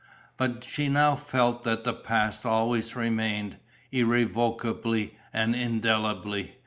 But she now felt that the past always remained, irrevocably and indelibly.